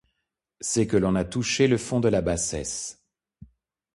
C’est que l’on a touché le fond de la bassesse ;